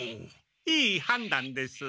いいはんだんです。